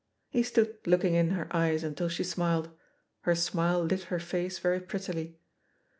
He stood looking in her eyes imtil she smiled. Her smile lit her face very prettily.